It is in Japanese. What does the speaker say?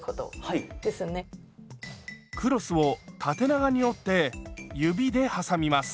クロスを縦長に折って指で挟みます。